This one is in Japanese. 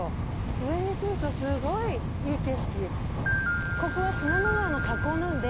上に来るとすごいいい景色。